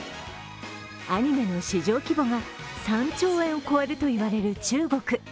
アニメの市場規模が３兆円を超えると言われる中国。